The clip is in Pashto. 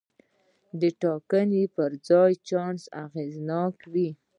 د ټاکنې پر ځای چانس اغېزناک وي.